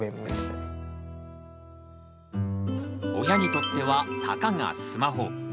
親にとってはたかがスマホ。